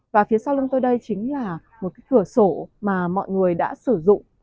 và phía sau lưng tôi đây chính là một cái cửa sổ mà mọi người đã sử dụng